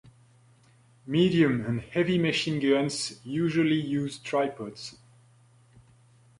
Medium and heavy machine guns usually use tripods.